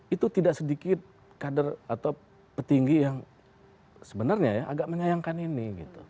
itu tidak sedikit kader atau petinggi yang sebenarnya ya agak menyayangkan ini